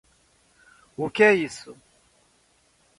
O que é isso